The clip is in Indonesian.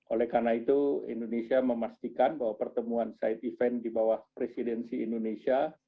oleh karena itu indonesia memastikan bahwa pertemuan side event di bawah presidensi indonesia